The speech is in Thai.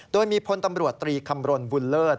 โดยมีพลตำรวจตรีคำรณบุญเลิศ